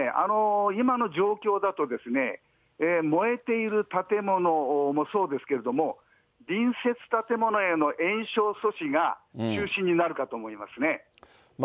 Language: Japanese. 今の状況だと、燃えている建物もそうですけれども、隣接建物への延焼措置が中心になるかと思いますね。